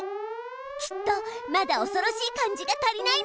きっとまだおそろしい感じが足りないのよ。